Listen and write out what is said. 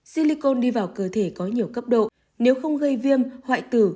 silicon đi vào cơ thể có nhiều cấp độ nếu không gây viêm hoại tử